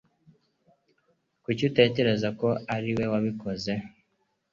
Kuki utekereza ko ari we wabikoze?